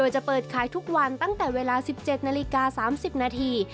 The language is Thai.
จะเปิดขายทุกวันตั้งแต่เวลา๑๗นาฬิกา๓๐นาที